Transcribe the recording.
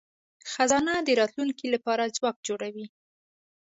خزانه د راتلونکي لپاره ځواک جوړوي.